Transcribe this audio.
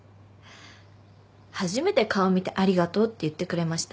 初めて顔見て「ありがとう」って言ってくれましたね。